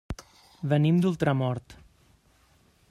Venim d'Ultramort.